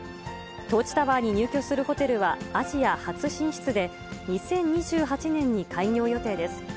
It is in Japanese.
トーチタワーに入居するホテルは、アジア初進出で、２０２８年に開業予定です。